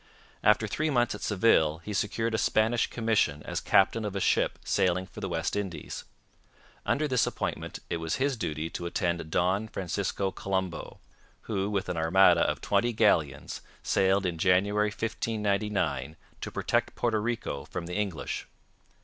After three months at Seville he secured a Spanish commission as captain of a ship sailing for the West Indies. Under this appointment it was his duty to attend Don Francisco Colombo, who with an armada of twenty galleons sailed in January 1599 to protect Porto Rico from the English.